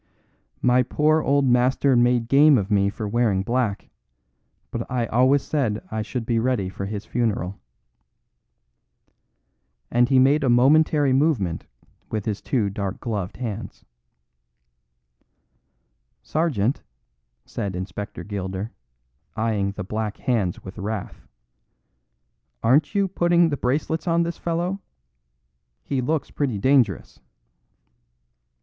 "My poor old master made game of me for wearing black; but I always said I should be ready for his funeral." And he made a momentary movement with his two dark gloved hands. "Sergeant," said Inspector Gilder, eyeing the black hands with wrath, "aren't you putting the bracelets on this fellow; he looks pretty dangerous."